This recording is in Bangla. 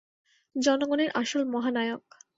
জনগণের আসল মহানায়ক।